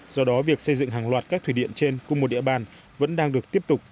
do đó việc xây dựng hàng loạt các thủy điện trên cùng một địa bàn vẫn đang được tiếp tục